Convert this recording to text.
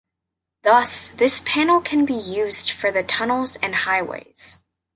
Thus, this panel can be used for the tunnels and highways.